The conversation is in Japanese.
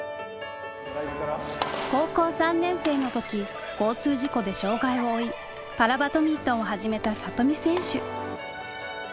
高校３年生の時交通事故で障害を負いパラバドミントンを始めた里見選手。